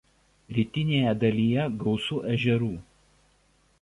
Rytinėje dalyje gausu ežerų.